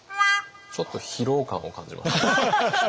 ちょっと疲労感を感じます。